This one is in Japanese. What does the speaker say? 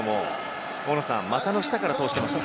大野さん、股の下から通してきました。